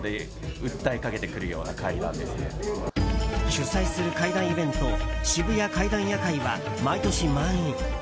主催する怪談イベント渋谷怪談夜会は毎年満員。